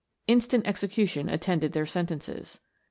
Instant execution at tended their sentences.